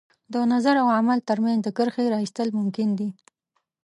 د نظر او عمل تر منځ د کرښې را ایستل ممکن دي.